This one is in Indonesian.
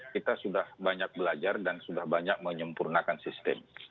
kita sudah banyak belajar dan sudah banyak menyempurnakan sistem